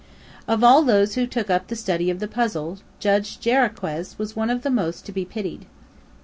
Of all those who took up the study of the puzzle, Judge Jarriquez was one of the most to be pitied.